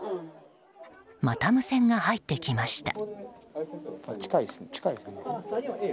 また無線が入ってきました。